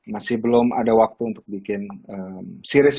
masih belum ada waktu untuk bikin series